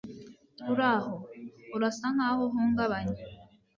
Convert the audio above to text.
Uraho? Urasa nkaho uhungabanye.